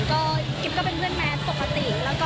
ก็กิ๊บก็เป็นเพื่อนแมทปกติ